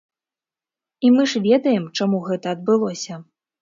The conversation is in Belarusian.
І мы ж ведаем, чаму гэта адбылося.